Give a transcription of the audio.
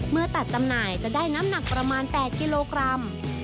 เมื่อตัดจำหน่ายจะได้น้ำหนักประมาณ๘กิโลกรัม